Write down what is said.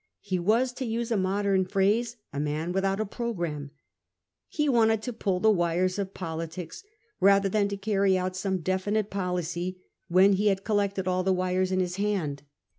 He was, to use a modern phrase, a man without a programme. He wanted to pull the wires of politics, rather than to carry out some definite policy when lie had collected all the wires in his hand.